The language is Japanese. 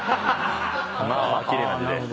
まあまあ奇麗な字で。